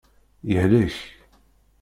Yehlek.